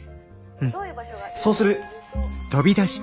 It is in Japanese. うんそうする！